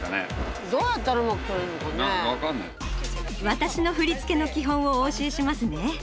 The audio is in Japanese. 私の振り付けの基本をお教えしますね。